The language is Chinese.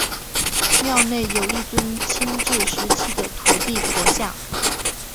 庙内有一尊清治时期的土地婆像。